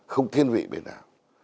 không thiên vị bên nào